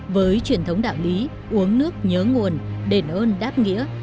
với truyền thống đạo lý uống nước nhớ nguồn đền ơn đáp nghĩa